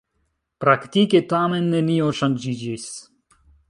Praktike tamen nenio ŝanĝiĝis.